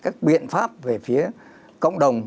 các biện pháp về phía cộng đồng